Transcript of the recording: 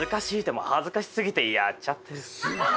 もう恥ずかし過ぎてやっちゃってる」